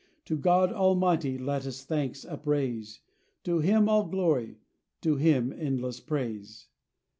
To God Almighty let us thanks upraise, To Him all glory; to Him endless praise.